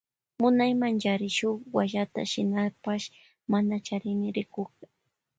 Munaymanchari shuk wallata shinapash mana charini rikukta.